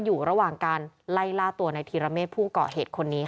อยู่ระหว่างการไล่ล่าตัวในธีรเมฆผู้เกาะเหตุคนนี้